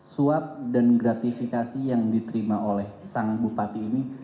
suap dan gratifikasi yang diterima oleh sang bupati ini